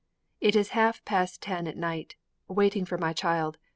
It is half past ten at night. Waiting for my child.